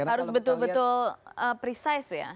harus betul betul precise ya